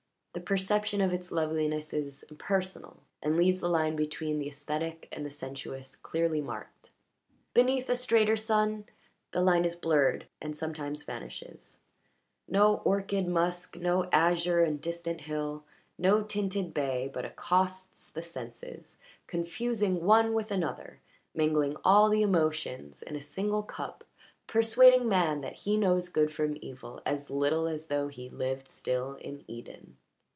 The perception of its loveliness is impersonal and leaves the line between the aesthetic and the sensuous clearly marked. Beneath a straighter sun the line is blurred and sometimes vanishes: no orchid musk, no azure and distant hill, no tinted bay but accosts the senses, confusing one with another, mingling all the emotions in a single cup, persuading man that he knows good from evil as little as though he lived still in Eden.